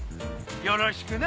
よろしくな。